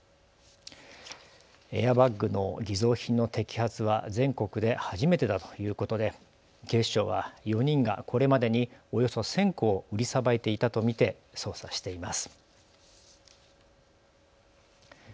エアバッグの偽造品の摘発は全国で初めてだということで警視庁は４人がこれまでにおよそ１０００個を売りさばいていたと見て捜査しています。